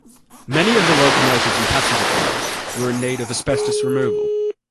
Many of the locomotives and passenger cars were in need of asbestos removal.